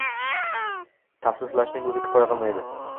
Tavsiflashning o’zi kifoya qilmaydi.